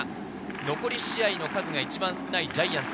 残り試合の数が一番少ないジャイアンツ。